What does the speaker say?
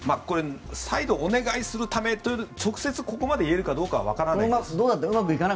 これ、再度お願いするためという直接ここまで言えるかどうかはわからないですが。